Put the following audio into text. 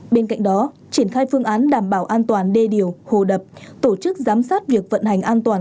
bên cạnh đó triển khai phương án đảm bảo an toàn đê điều hồ đập tổ chức giám sát việc vận hành an toàn